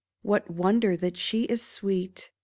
What wonder that she is sweet